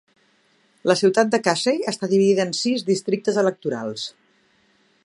La ciutat de Casey està dividida en sis districtes electorals.